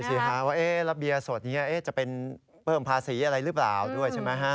ใช่ค่ะว่าเอ๊ะรับเบียสดนี่จะเป็นเปิ่มภาษีอะไรหรือเปล่าด้วยใช่ไหม